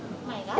はい